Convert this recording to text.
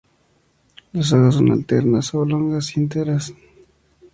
Las hojas son alternas, oblongas y enteras.